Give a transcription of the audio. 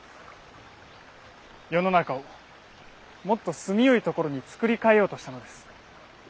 世の中をもっと住みよいところに作り変えようとしたのです。